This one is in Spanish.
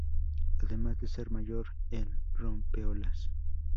Además de ser mayor el rompeolas.